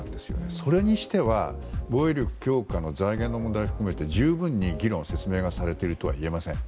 それにしては防衛力強化の財源の問題を含めて十分に議論、説明がされているとはいえません。